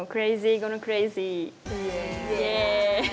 イエイ！